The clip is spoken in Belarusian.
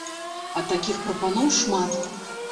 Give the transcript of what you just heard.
А такіх прапаноў шмат.